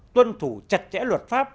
tuân thủ chặt chẽ luật pháp